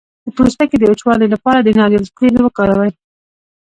د پوستکي د وچوالي لپاره د ناریل تېل وکاروئ